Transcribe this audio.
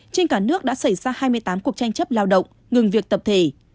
trên cả nước đã xảy ra hai mươi tám cuộc tranh chấp lao động ngừng việc tập thể